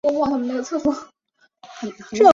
魏东河出身花莲地方派系魏家。